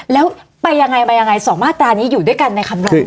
แล้วไปยังไงมายังไงสองมาตรานี้อยู่ด้วยกันในคำรณ